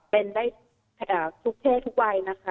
เป็นได้ทุกเพศทุกวัยนะคะ